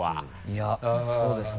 いやそうですね。